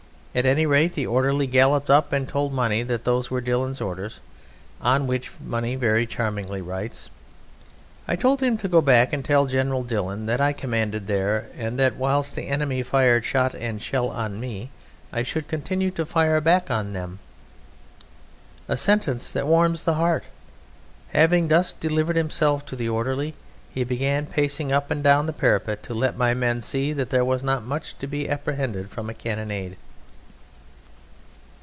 At any rate the orderly galloped up and told Money that those were Dillon's orders. On which Money very charmingly writes: "I told him to go back and tell General Dillon that I commanded there, and that whilst the enemy fired shot and shell on me I should continue to fire back on them." A sentence that warms the heart. Having thus delivered himself to the orderly, he began pacing up and down the parapet "to let my men see that there was not much to be apprehended from a cannonade."